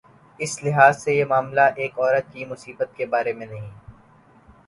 اس لحاظ سے یہ معاملہ ایک عورت کی مصیبت کے بارے میں نہیں۔